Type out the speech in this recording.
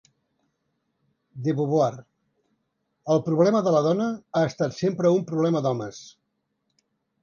De Beauvoir: el problema de la dona ha estat sempre un problema d'homes.